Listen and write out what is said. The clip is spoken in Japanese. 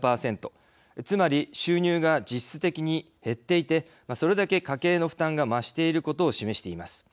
つまり収入が実質的に減っていてそれだけ家計の負担が増していることを示しています。